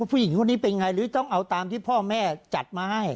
ผู้หญิงคนนี้เป็นไงหรือต้องเอาตามที่พ่อแม่จัดมาให้